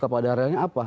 kepada realnya apa